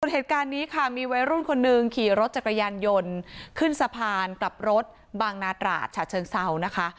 เหตุการณ์นี้ค่ะมีวัยรุ่นคนหนึ่งขี่รถจักรยานยนต์ขึ้นสะพานกลับรถบางนาตราดฉะเชิงเซานะคะ